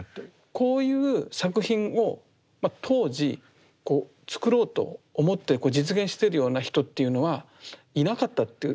こういう作品を当時作ろうと思って実現してるような人っていうのはいなかったっていう？